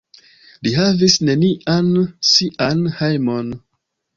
Li havis nenian sian hejmon.